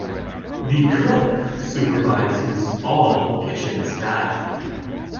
The cook supervises all kitchen staff.